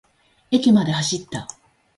駅まで走った。